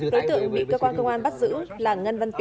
đối tượng bị cơ quan công an bắt giữ là ngân văn thái